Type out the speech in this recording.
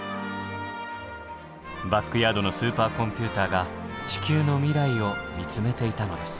バックヤードのスーパーコンピューターが地球の未来を見つめていたのです。